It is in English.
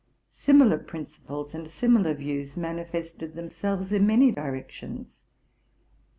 Similar principles and similar views manifested themselves in many directions.